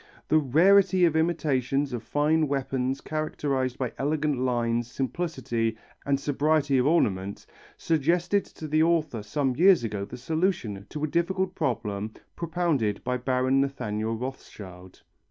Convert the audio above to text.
The rarity of imitations of fine weapons characterized by elegant lines, simplicity and sobriety of ornament, suggested to the author some years ago the solution to a difficult problem propounded by Baron Nathaniel Rothschild.